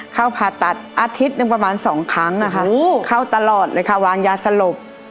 เข้าผ่าตัดอาทิตย์ประมาณ๒ครั้งนะคะเข้าตลอดเลยค่ะวางยาสลบ